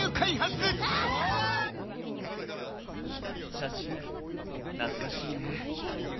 写真懐かしいね。